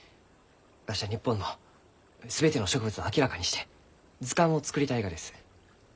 わしは日本の全ての植物を明らかにして図鑑を作りたいがです。